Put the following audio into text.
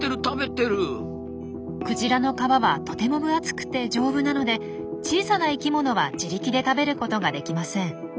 クジラの皮はとても分厚くて丈夫なので小さな生きものは自力で食べることができません。